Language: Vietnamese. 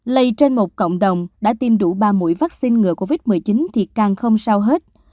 lây trên một cộng đồng đã tiêm đủ ba mũi vaccine ngừa covid một mươi chín thì càng không sao hết